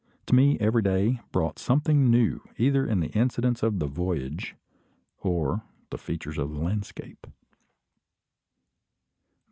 To me every day brought something new, either in the incidents of the "voyage" or the features of the landscape.